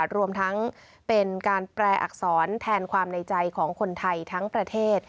รวมทั้งเป็นการแปลอักษรแทนความในใจของคนไทยทั้งประเทศ